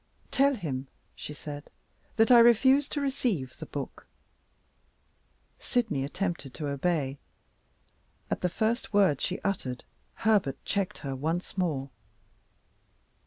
"Tell him," she said, "that I refuse to receive the book." Sydney attempted to obey. At the first words she uttered, Herbert checked her once more.